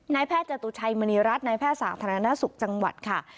นายแพทย์จตุชัยมณีรัฐนายแพทย์สาธารณสุขจังหวัดค่ะ